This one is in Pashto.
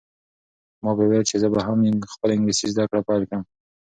ما به ویل چې زه به هم خپله انګلیسي زده کړه پیل کړم.